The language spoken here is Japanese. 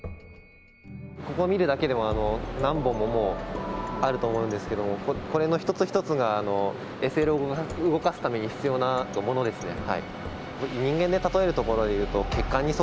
ここ見るだけでも何本もあると思うんですけどもこれの一つ一つがＳＬを動かすために必要なものですね。